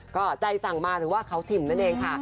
ก็ใจสั่งมาหรือว่าเขาถิ่มนั่นเองค่ะ